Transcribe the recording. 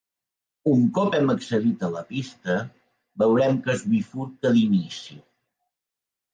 Un cop hem accedit a la pista, veurem que es bifurca d'inici.